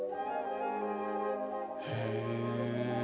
へえ。